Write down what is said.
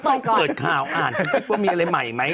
เปิดข่าวอ่านคลิปว่ามีอะไรใหม่ไหม